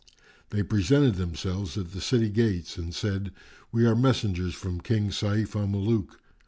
They presented themselves at the city gates and said, "We are messengers from King Sayf al Muluk."